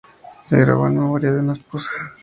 Se grabó en memoria de una esposa.